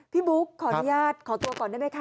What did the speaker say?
บุ๊กขออนุญาตขอตัวก่อนได้ไหมคะ